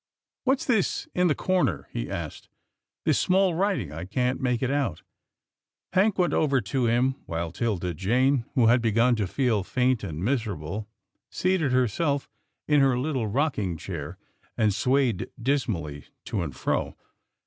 "What's this in the corner?" he asked, "this small writing? I can't make it out." Hank went over to him, while 'Tilda Jane, who had begun to feel faint and miserable, seated her self in her little rocking chair, and swayed dismally to and fro.